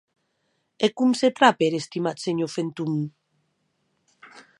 E com se trape er estimat senhor Fenton?